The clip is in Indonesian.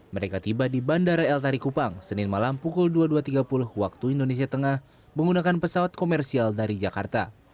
mereka tiba di bandara el tari kupang senin malam pukul dua puluh dua tiga puluh waktu indonesia tengah menggunakan pesawat komersial dari jakarta